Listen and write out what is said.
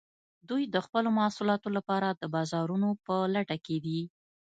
دوی د خپلو محصولاتو لپاره د بازارونو په لټه کې دي